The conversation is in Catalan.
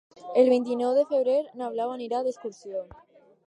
El vint-i-nou de febrer na Blau anirà d'excursió.